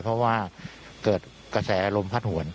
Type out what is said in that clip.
เพราะว่าเกิดกระแสลมพัดหวน